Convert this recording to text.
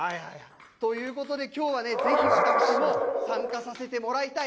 ということで、きょうはね、ぜひ私も参加させてもらいたい。